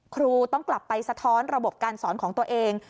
ครูต้องกลับไปสะท้อนระบบการสอนของตัวเอง